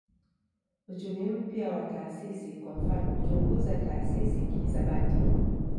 Uchumi mpya wa taasisi kwa mfano huchunguza taasisi kihisabati